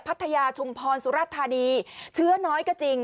พัทยาชุมพรสุรธานีเชื้อน้อยก็จริง